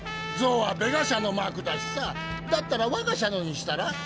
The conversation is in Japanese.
象はベガ社のマークだしさだったらわが社のにしたら？